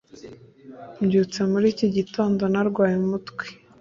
Mbyutse muri iki gitondo narwaye umutwe